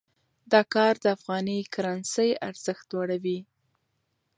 دا کار د افغاني کرنسۍ ارزښت لوړوي.